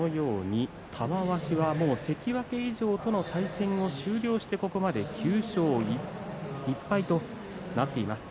玉鷲は関脇以上との対戦を終了して、ここまで９勝１敗となっています。